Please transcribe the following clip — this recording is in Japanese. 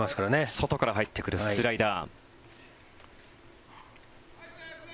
外から入ってくるスライダー。